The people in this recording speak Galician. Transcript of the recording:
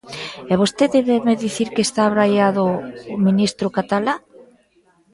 ¿E vostede vénme dicir que está abraiado o ministro Catalá?